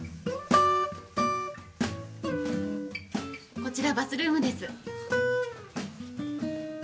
こちらバスルームです。